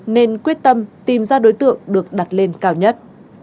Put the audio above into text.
nên quyết tâm tìm ra đối tượng được đặt lên cao nhất